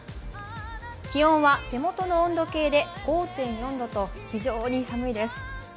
気温は手元の温度計で５．４度と非常に寒いです。